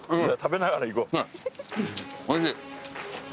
おいしい。